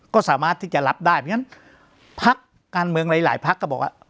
ก็สามารถที่จะรับได้เพราะฉะนั้นพักการเมืองหลายพักก็บอกว่า